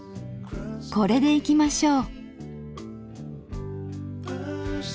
これでいきましょう。